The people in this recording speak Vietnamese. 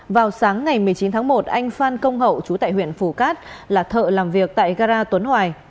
vào sáng ngày một mươi chín tháng một anh phan công hậu chú tại huyện phù cát là thợ làm việc tại gara tuấn hoài